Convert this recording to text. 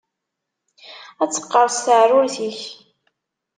Ad teqqerṣ teɛrurt-ik.